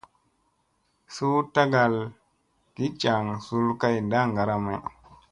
Suu tagal gi jaŋ zul kay ndaŋgara may.